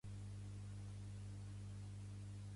Melchiorre Vidal va ser un cantant d'òpera nascut a Barcelona.